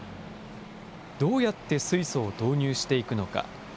どうやって水素を導入していくのか。